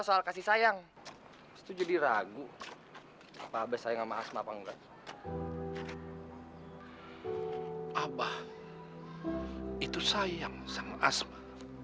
soal kasih sayang setuju diragu apa habis sayang sama asma panggilan abah itu sayang sama asma